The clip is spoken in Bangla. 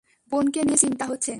বোনকে নিয়ে চিন্তা হচ্ছে?